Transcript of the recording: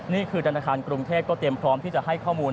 นี่คือธนาคารกรุงเทพก็เตรียมพร้อมที่จะให้ข้อมูล